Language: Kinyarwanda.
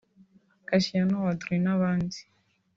Kassiano Wadri n’abandi